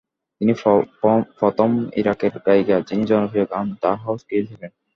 তিনি প্রথম ইরাকের গায়িকা যিনি জনপ্রিয় গান "দ্য হাউজ" গেয়েছিলেন।